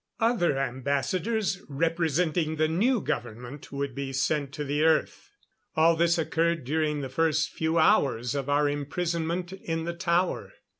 Other Ambassadors, representing the new government, would be sent to the Earth. All this occurred during the first few hours of our imprisonment in the tower.